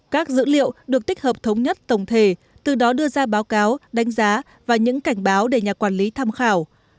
các dữ liệu được tích hợp thống nhất tổng thể từ đó đưa ra báo cáo đánh giá và những cảnh báo để nhà quản lý tham khảo